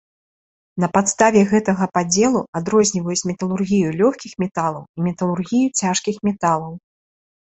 На падставе гэтага падзелу адрозніваюць металургію лёгкіх металаў і металургію цяжкіх металаў.